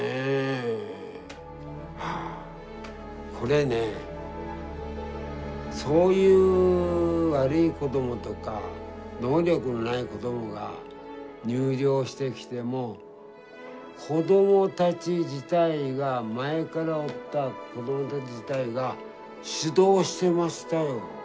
これねそういう悪い子どもとか能力のない子どもが入寮してきても子どもたち自体がそういう雰囲気ができてましたよ。